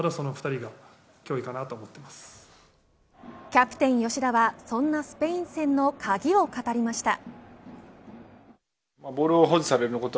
キャプテン吉田はそんなスペイン戦の鍵を語りました。